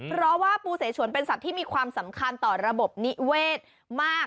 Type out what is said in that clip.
เพราะว่าปูเสฉวนเป็นสัตว์ที่มีความสำคัญต่อระบบนิเวศมาก